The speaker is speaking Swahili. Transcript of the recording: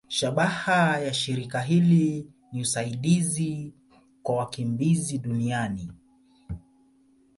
Shabaha ya shirika hili ni usaidizi kwa wakimbizi duniani.